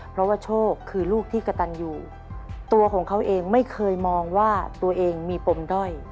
เพราะว่าโชคคือลูกที่กระตันอยู่ตัวของเขาเองไม่เคยมองว่าตัวเองมีปมด้อย